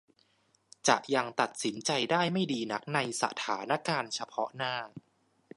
จะยังตัดสินใจได้ไม่ดีนักในสถานการณ์เฉพาะหน้า